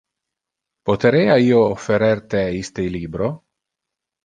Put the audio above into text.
Poterea io offerer te iste libro?